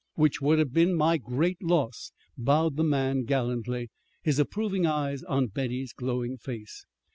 "Which would have been my great loss," bowed the man gallantly, his approving eyes on Betty's glowing face.